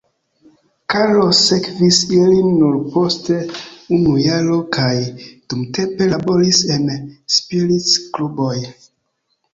Carlos sekvis ilin nur post unu jaro kaj dumtempe laboris en striptiz-kluboj.